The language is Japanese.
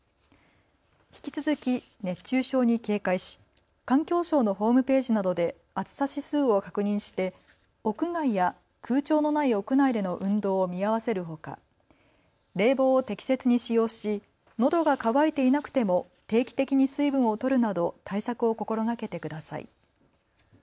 引き続き熱中症に警戒し環境省のホームページなどで暑さ指数を確認して屋外や空調のない屋内での運動を見合わせるほか冷房を適切に使用しのどが渇いていなくても定期的に水分をとるなど対策を心がけてください。